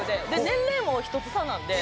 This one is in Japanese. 年齢も１つ差なんで。